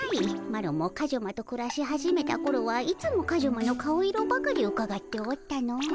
マロもカジュマとくらし始めたころはいつもカジュマの顔色ばかりうかがっておったのう。